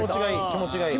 気持ちがいい。